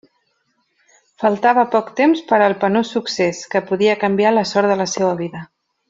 Faltava poc temps per al penós succés, que podia canviar la sort de la seua vida.